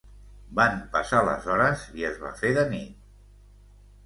Van passar les hores i es va fer de nit.